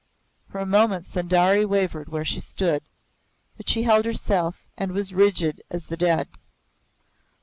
For a moment Sundari wavered where she stood, but she held herself and was rigid as the dead.